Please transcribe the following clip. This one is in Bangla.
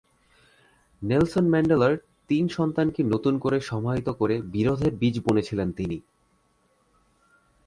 নেলসন ম্যান্ডেলার তিন সন্তানকে নতুন করে সমাহিত করে বিরোধের বীজ বুনেছিলেন তিনি।